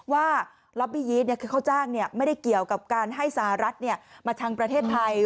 ล็อบบียีทคือเขาจ้างไม่ได้เกี่ยวกับการให้สหรัฐมาชังประเทศไทย